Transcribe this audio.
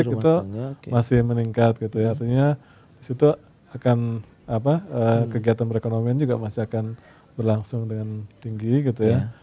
itu masih meningkat gitu ya artinya disitu akan apa kegiatan perekonomian juga masih akan berlangsung dengan tinggi gitu ya